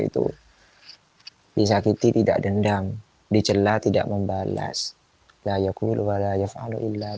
itu bisa kita tidak dendam dicela tidak membalas layakul walaiwa alu'illah